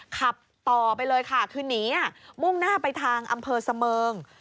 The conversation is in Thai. ขับต่อไปเลยค่ะคือหนีมุ่งหน้าไปทางอำเภอเสมิง